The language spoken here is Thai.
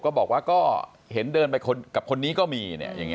ก็บอกว่าก็เห็นเดินไปกับคนนี้ก็มีเนี่ย